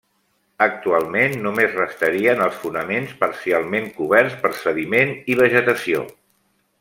Actualment només restarien els fonaments parcialment coberts per sediment i vegetació.